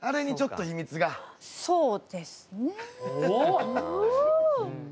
そうですね。